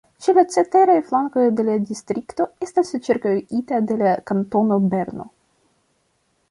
Ĉe la ceteraj flankoj la distrikto estas ĉirkaŭita de la Kantono Berno.